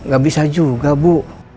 gak bisa juga bu